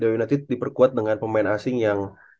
united diperkuat dengan pemain asing yang